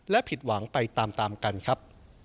และผิดหวังไปตามกันครับ